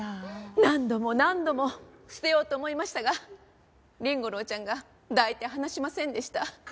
何度も何度も捨てようと思いましたが凛吾郎ちゃんが抱いて離しませんでした。